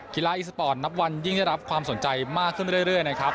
กีฬาอีสปอร์ตนับวันยิ่งได้รับความสนใจมากขึ้นเรื่อยนะครับ